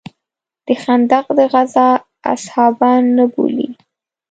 د خندق د غزا اصحابان نه بولې.